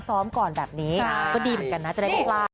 ซ้อมก่อนแบบนี้ก็ดีเหมือนกันนะจะได้โชคลาภ